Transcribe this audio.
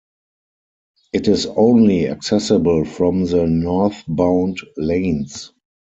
It is only accessible from the northbound lanes.